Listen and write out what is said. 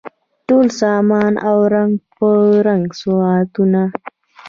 ټول سامان او رنګ په رنګ سوغاتونه